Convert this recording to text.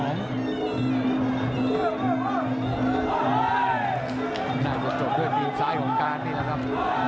น่าจะจบด้วยดีไซน์ของการนี้นะครับ